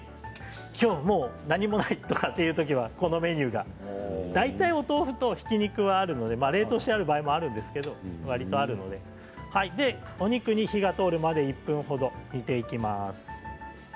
きょうは何もないというときには大体このメニューがお豆腐とひき肉は大体あるので冷凍している場合もあるんですけれども、大体あるのでお肉に火が通るまで１分ほど煮ていきます。